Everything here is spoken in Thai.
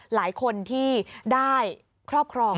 หลายคนที่ได้ครอบครอง